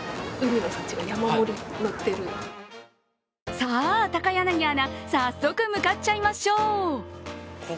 さあ高柳アナ、早速向かっちゃいましょう。